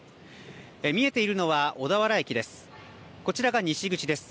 見えているのは小田原駅です。